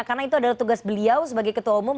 karena itu adalah tugas beliau sebagai ketua omong